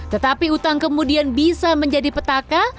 tetapi utang kemudian bisa menjadi petaka